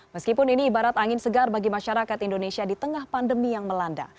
meskipun ini ibarat angin segar bagi masyarakat indonesia di tengah pandemi yang melanda